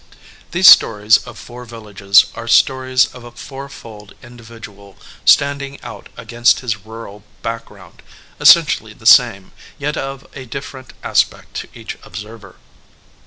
These stories of four villages are stories of a fourfold individual standing out against his rural background, essentially the same, yet of a different aspect to each observer.